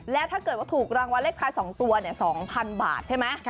ถ้าถูกรางวัลเล็กทาย๒ตัว๒๐๐๐บาท